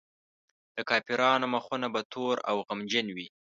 د کافرانو مخونه به تور او غمجن وي.